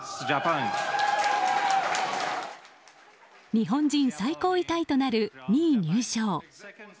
日本人最高位タイとなる２位入賞。